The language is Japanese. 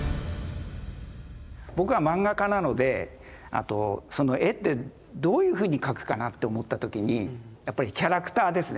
僕は漫画家なので絵ってどういうふうに描くかなって思った時にやっぱりキャラクターですね。